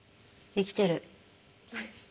生きてる。